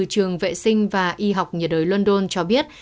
trường vệ sinh và y học nhiệt đới london cho biết